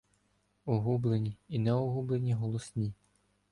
Огублені і неогублені голосні